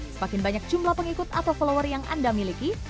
semakin banyak jumlah pengikut atau follower yang anda miliki